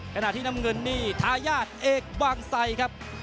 ขณะที่น้ำเงินนี่ทายาทเอกบางไซครับ